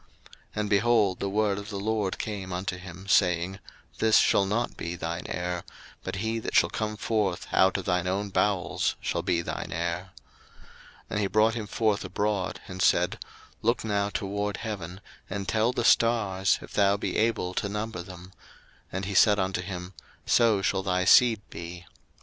01:015:004 And, behold, the word of the LORD came unto him, saying, This shall not be thine heir; but he that shall come forth out of thine own bowels shall be thine heir. 01:015:005 And he brought him forth abroad, and said, Look now toward heaven, and tell the stars, if thou be able to number them: and he said unto him, So shall thy seed be.